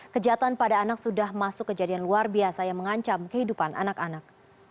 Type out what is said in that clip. kejahatan pada anak sudah masuk kejadian luar biasa yang mengancam kehidupan anak anak